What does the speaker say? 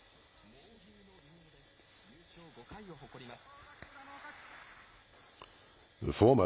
猛牛の異名で、優勝５回を誇ります。